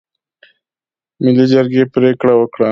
ملي جرګې پرېکړه وکړه.